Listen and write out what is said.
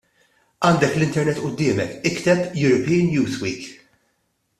Għandek l-Internet quddiemek: ikteb " European Youth Week "!